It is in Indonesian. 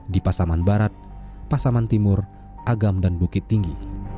di pasaman barat pasaman timur agam dan bukit tinggi